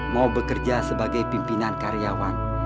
mau bekerja sebagai pimpinan karyawan